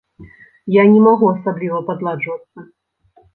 Я не магу асабліва падладжвацца.